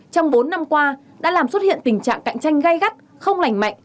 trong bốn năm qua đã làm xuất hiện tình trạng cạnh tranh gây gắt không lành mạnh